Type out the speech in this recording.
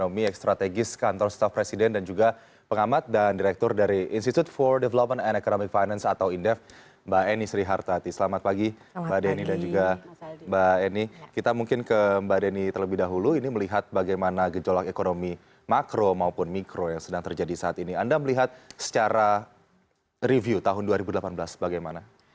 makro maupun mikro yang sedang terjadi saat ini anda melihat secara review tahun dua ribu delapan belas bagaimana